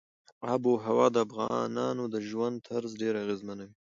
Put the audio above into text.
آب وهوا د افغانانو د ژوند طرز ډېر اغېزمنوي.